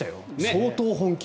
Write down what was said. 相当本気。